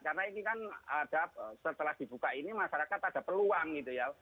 karena ini kan ada setelah dibuka ini masyarakat ada peluang gitu ya